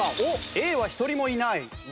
Ａは一人もいない。